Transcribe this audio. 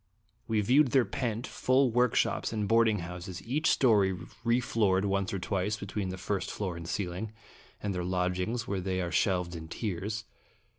We viewed their pent, full workshops and boarding houses, each story refloored once or twice between the first floor and ceiling, and their lodgings where they are shelved in tiers.